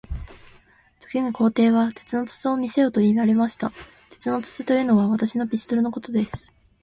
次に皇帝は、鉄の筒を見せよと言われました。鉄の筒というのは、私のピストルのことです。